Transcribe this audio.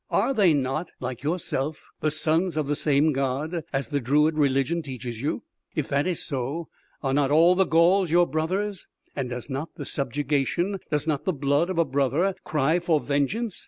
"Are they not, like yourself, the sons of the same god, as the druid religion teaches you? If that is so, are not all the Gauls your brothers? And does not the subjugation, does not the blood of a brother cry for vengeance?